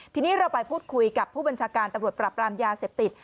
ทีนี้เราไปพูดคุยกับผู้บัญชาการตำรวจปรับรามยาเสพติด